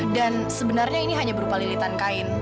dan sebenarnya ini hanya berupa lilitan kain